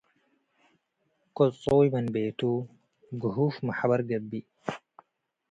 ቅጹይ ምን ቤቱ፡፤ ግሁፍ መሕበር ገብእ።